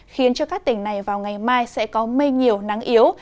khiến cho các tỉnh này vào ngày mai sẽ có mây nhiều nắng yếu